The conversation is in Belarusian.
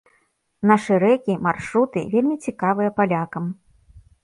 Нашы рэкі, маршруты вельмі цікавыя палякам.